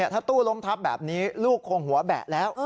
ถ้าตู้ล้มทับแบบนี้ลูกคงหัวแบะแล้ว